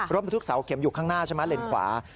รถบรรทุกเสาเข็มอยู่ข้างหน้าใช่ไหมเลนขวา